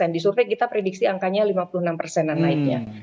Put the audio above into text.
di survei kita prediksi angkanya lima puluh enam persenan naiknya